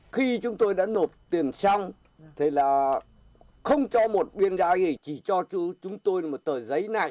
khi chúng tôi đã nộp tiền xong thì là không cho một biên giá gì chỉ cho chúng tôi một tờ giấy này